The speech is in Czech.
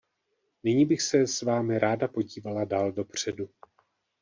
Nyní bych se s vámi ráda podívala dál dopředu.